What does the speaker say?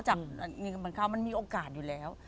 จากมีคนเหมือนเค้ามันมีโอกาสอยู่แล้ว